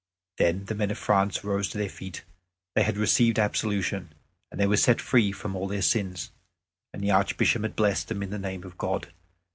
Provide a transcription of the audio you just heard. Then the men of France rose to their feet. They had received absolution, and were set free from all their sins, and the Archbishop had blessed them in the name of God.